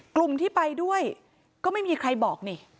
กลุ่มที่ไปด้วยก็ไม่มีใครบอกนี่